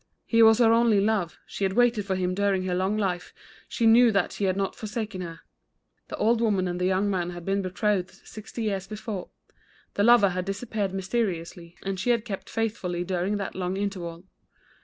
"He was her only love; she had waited for him during her long life; she knew that he had not forsaken her." The old woman and the young man had been betrothed sixty years before. The lover had disappeared mysteriously, and she had kept faithful during that long interval.